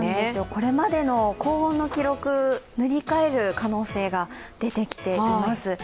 これまでの高温の記録を塗り替える可能性が出てきています。